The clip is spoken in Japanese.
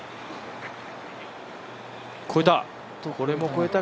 越えた！